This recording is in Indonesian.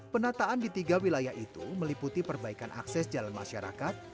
penataan di tiga wilayah itu meliputi perbaikan akses jalan masyarakat